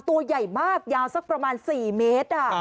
ตัวใหญ่มากยาวสักประมาณ๔เมตร